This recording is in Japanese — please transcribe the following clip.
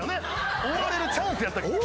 終われるチャンスやったけど。